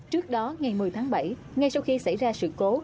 trước đó ngày một mươi tháng bảy ngay sau khi xảy ra sự cố